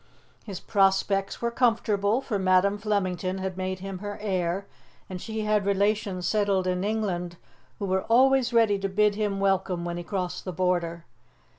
His prospects were comfortable, for Madam Flemington had made him her heir, and she had relations settled in England who were always ready to bid him welcome when he crossed the border.